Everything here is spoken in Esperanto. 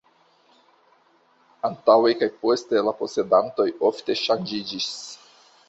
Antaŭe kaj poste la posedantoj ofte ŝanĝiĝis.